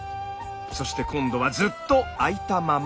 そして今度はずっと開いたまま。